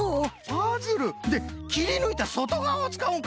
パズル。できりぬいたそとがわをつかうんか。